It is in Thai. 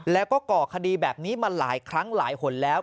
แล้วก็ก่อคดีแบบนี้มาหลายครั้งหลายหนแล้ว